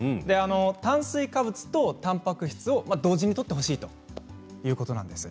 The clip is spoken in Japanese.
炭水化物とたんぱく質を同時にとってほしいということなんです。